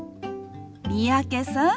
三宅さん。